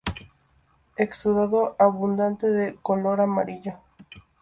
Exudado abundante de color amarillo.